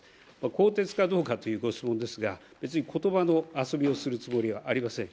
更迭かどうかというご質問ですが、別にことばの遊びをするつもりはありません。